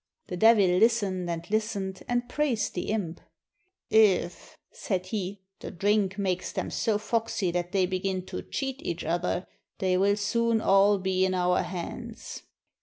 The Devil listened and listened, and praised the imp, "If," said he, "the drink makes them so foxy that RUSSIA they begin to cheat each other, they will soon all be in our hands."